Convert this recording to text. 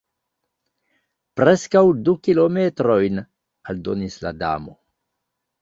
"Preskaŭ du kilometrojn," aldonis la Damo.